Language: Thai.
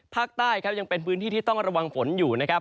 ภาคใต้ครับยังเป็นพื้นที่ที่ต้องระวังฝนอยู่นะครับ